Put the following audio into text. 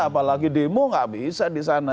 apalagi demo nggak bisa di sana